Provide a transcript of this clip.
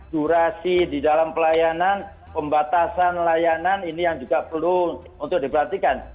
durasi di dalam pelayanan pembatasan layanan ini yang juga perlu untuk diperhatikan